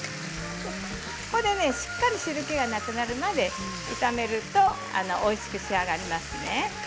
ここで、しっかり汁けがなくなるまで炒めるとおいしく仕上がりますね。